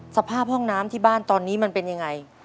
สภาพห้องน้ำที่บ้านตอนนี้มันเป็นยังไง